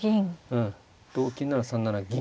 うん同金なら３七銀。